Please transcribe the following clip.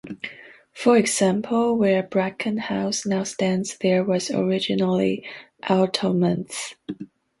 For example, where Bracken House now stands there was originally allotments.